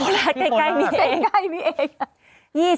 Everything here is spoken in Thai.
๒๐บาทก็ได้